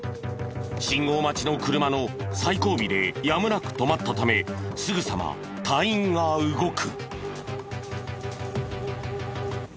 信号待ちの車の最後尾でやむなく止まったためすぐさま隊員が動く。